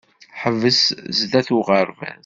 Ḥbes sdat uɣerbaz.